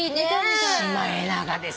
シマエナガです